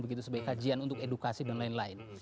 begitu sebagai kajian untuk edukasi dan lain lain